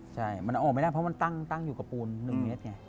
ใช่มันออกไม่ได้เพราะมันตั้งอยู่กับปูน๑เมตรไง